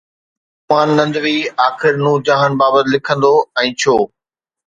سليمان ندوي آخر نور جهان بابت لکندو ۽ ڇو؟